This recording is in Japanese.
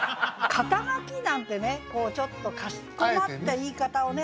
「肩書き」なんてねこうちょっとかしこまった言い方をね